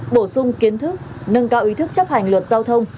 bổ sung kiến thức nâng cao ý thức chấp hành luật giao thông